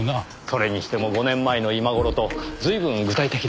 それにしても５年前の今頃と随分具体的でしたね。